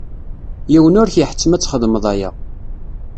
Yiwen ur k-iḥettem ad txedmeḍ aya.